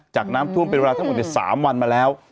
จากน้ำท่วมเป็นเวลาทั้งหมด๓วันมาแล้ว